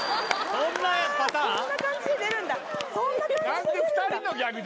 そんな感じで出るんだ